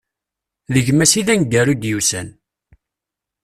D gma-s i d aneggaru i d-yusan.